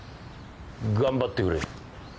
頑張ってくれ。